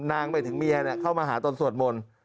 ไปถึงเมียเข้ามาหาตอนสวดมนต์